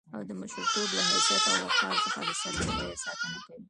او د مشرتوب له حيثيت او وقار څخه د سر په بيه ساتنه کوي.